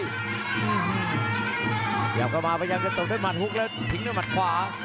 เดี๋ยวก็มาพยายามจะตกด้วยหมันฮุกแล้วทิ้งด้วยหมัดขวา